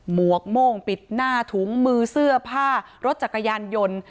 หวกโม่งปิดหน้าถุงมือเสื้อผ้ารถจักรยานยนต์